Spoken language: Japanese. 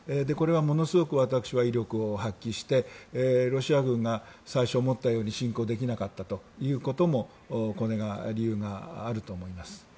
これはものすごく私は威力を発揮してロシア軍が最初思ったように侵攻できなかったこともこの辺の理由があると思います。